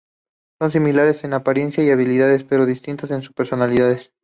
Son similares en apariencia y habilidades, pero distintas en sus personalidades.